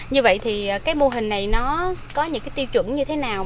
như vậy thì cái mô hình này nó có những cái tiêu chuẩn như thế nào